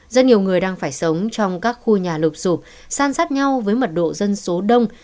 rất nhiều người đang phải sống trong các khu nhà lụp sụp san sát nhau với mật độ dân số đông